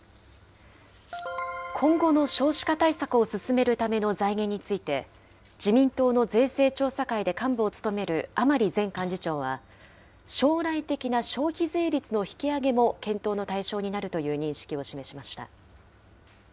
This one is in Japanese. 今後の少子化対策を進めるための財源について、自民党の税制調査会で幹部を務める甘利前幹事長は、将来的な消費税率の引き上げも検討の対象になるという認識を示しました。